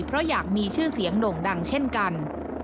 เพราะอยากมีชื่อเสียงโด่งดังเช่นกัน